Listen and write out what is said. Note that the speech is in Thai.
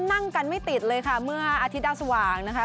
นั่งกันไม่ติดเลยค่ะเมื่ออาทิตย์ดาวสว่างนะคะ